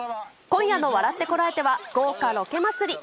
今夜の笑ってコラえて！は、豪華ロケ祭り。